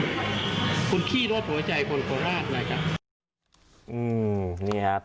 คุณขี้รถหัวใจคนโคราช